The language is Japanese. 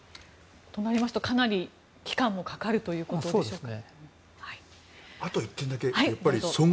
となりますとかなり期間もかかるということでしょうか。